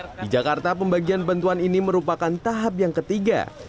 di jakarta pembagian bantuan ini merupakan tahap yang ketiga